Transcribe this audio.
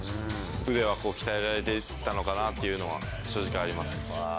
腕は鍛えられていったのかなっていうのは、正直あります。